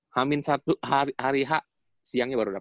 hamin hari h siangnya baru dapet